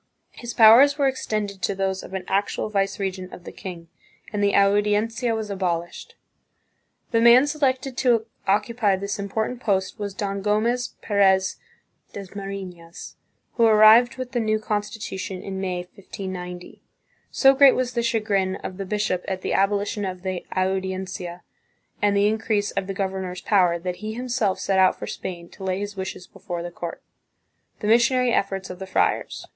His powers were extended to those of an actual viceregent of the king, and the Audiencia was abolished. The man selected to occupy this important post was Don Gomez Perez Dasmarinas, who arrived with the new con stitution in May, 1590. So great was the chagrin of the bishop at the abolition of the Audiencia and the increase of the governor's power, that he himself set out for Spain to lay his wishes before the court. The Missionary Efforts of the Friars.